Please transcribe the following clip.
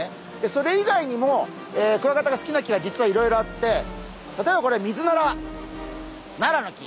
それ以外にもクワガタが好きな木が実はいろいろあってナラの木。